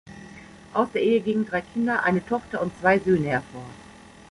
Aus der Ehe gingen drei Kinder, eine Tochter und zwei Söhne, hervor.